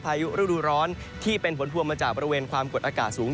พายุฤดูร้อนที่เป็นผลพวงมาจากบริเวณความกดอากาศสูง